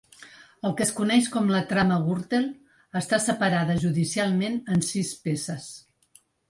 El que es coneix com la ‘trama Gürtel’ està separada judicialment en sis peces.